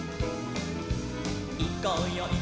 「いこうよい